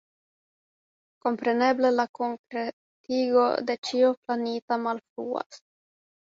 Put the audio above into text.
Kompreneble la konkretigo de ĉio planita malfruas.